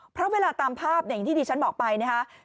เพราะเวลาตามภาพแบบที่ดีชั้นบอกไปนะคะ